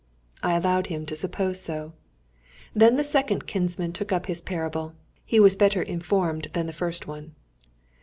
I allowed him to suppose so. Then the second kinsman took up his parable. He was better informed than the first one.